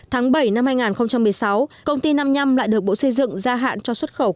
tháng bảy năm hai nghìn một mươi sáu công ty năm mươi năm lại được bộ xây dựng gia hạn cho xuất khẩu